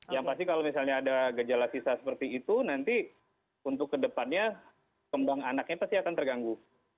yang pasti kalau misalnya ada gejala sisa seperti itu nanti untuk kedepannya kembang anaknya pasti akan terganggu